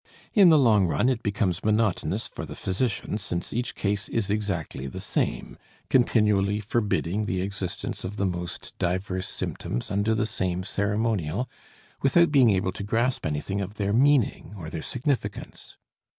In the long run it becomes monotonous for the physician, since each case is exactly the same; continually forbidding the existence of the most diverse symptoms under the same ceremonial, without being able to grasp anything of their meaning or their significance.